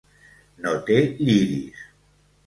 No té lliris.